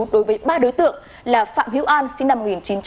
đối với ba đối tượng là phạm hiếu an sinh năm một nghìn chín trăm chín mươi